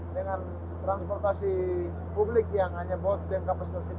dengan transportasi publik yang hanya buat dengan kapasitas kecil